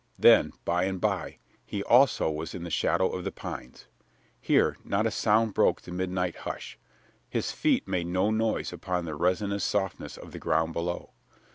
Then, by and by, he also was in the shadow of the pines. Here, not a sound broke the midnight hush. His feet made no noise upon the resinous softness of the ground below.